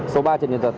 số ba trần nhân thuật